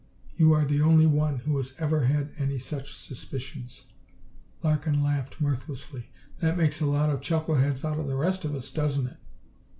You are the only one who has ever had any such suspicions." Larkin laughed, mirthlessly. "That makes a lot of chuckle heads out of the rest of us, doesn't it?"